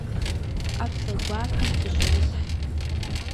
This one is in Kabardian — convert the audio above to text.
Ӏэплӏэ гуапэм фыщымысхь.